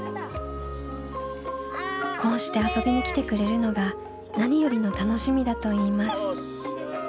こうして遊びに来てくれるのが何よりの楽しみだといいます。